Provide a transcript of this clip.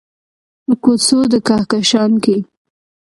په کوڅو د کهکشان کې